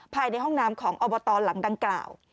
ภายในห้องน้ำของอบตหลังดังกล่าว